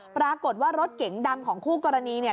ปรากฏว่ารถเก๋งดำของคู่กรณีเนี่ย